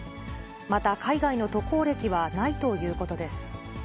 また、海外の渡航歴はないということです。